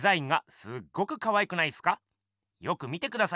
よく見てくださいよ。